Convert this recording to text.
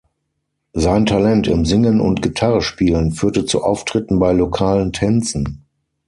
Sein Talent im Singen und Gitarrespielen führte zu Auftritten bei lokalen Tänzen.